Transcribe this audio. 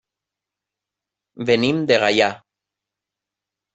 Venim de Gaià.